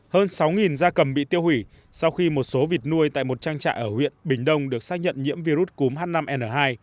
hơn sáu gia cầm bị tiêu hủy sau khi một số vịt nuôi tại một trang trại ở huyện bình đông được xác nhận nhiễm virus cúm h năm n hai